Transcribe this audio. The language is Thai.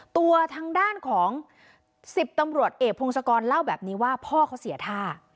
ตัวทางด้านของ๑๐ตำรวจเอกพงศกรเล่าแบบนี้ว่าพ่อเขาเสียท่า